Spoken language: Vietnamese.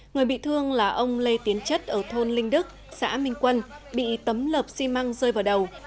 người bị thương là ông lê tiến chất ở thôn linh đức xã minh quân bị tấm lợp xi măng rơi vào đầu